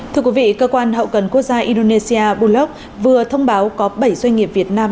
thưa quý vị cơ quan hậu cần quốc gia indonesia bulog vừa thông báo có bảy doanh nghiệp việt nam